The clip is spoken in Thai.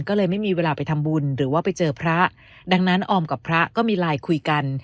ก็เลยไม่มีเวลาไปทำบุญหรือว่าไปเจอพระดังนั้นออมกับพระก็มีไลน์คุยกัน